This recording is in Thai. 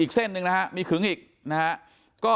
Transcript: อีกเส้นหนึ่งมีขึ้งอีก